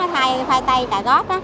thay tay trà góp